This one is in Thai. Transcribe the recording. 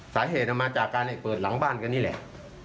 สาเหตุมาจากการเปิดหลังบ้านกันนี่แหละ